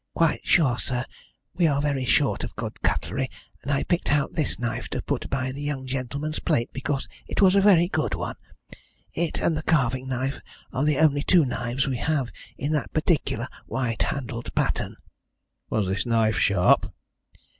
"Quite sure, sir. We are very short of good cutlery, and I picked out this knife to put by the young gentleman's plate because it was a very good one. It and the carving knife are the only two knives we have in that particular white handled pattern." "Was this knife sharp?"